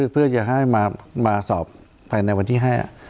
เพื่อจะให้มาสอบภายในวันที่๕